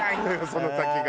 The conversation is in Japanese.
その先が。